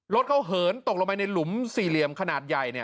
รถเขาเหินตกลงไปในหลุมสี่เหลี่ยมขนาดใหญ่